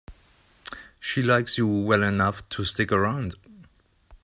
She likes you well enough to stick around.